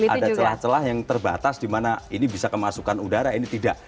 ada celah celah yang terbatas di mana ini bisa kemasukan udara ini tidak